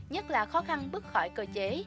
nhất là khó khăn bước khỏi cơ chế